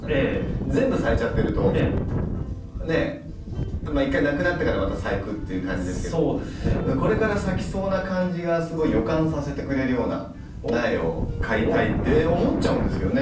全部咲いちゃってるとね一回なくなってからまた咲くっていう感じですけどこれから咲きそうな感じがすごい予感させてくれるような苗を買いたいって思っちゃうんですけどね。